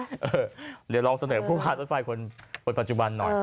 เดี๋ยวลองเสนอผู้พารถไฟคนปัจจุบันหน่อย